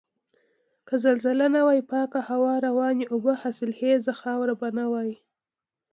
که زلزلې نه وای پاکه هوا، روانې اوبه، حاصلخیزه خاوره به نه وای.